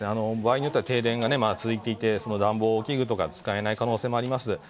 場合によっては停電が続いていて暖房器具などが使えない可能性があります。